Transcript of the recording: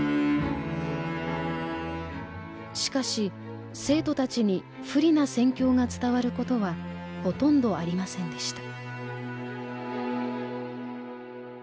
しかし生徒たちに不利な戦況が伝わることはほとんどありませんでした。